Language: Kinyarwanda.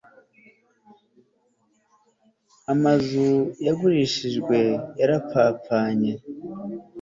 Amazu yagurishijwe yarapfapfanye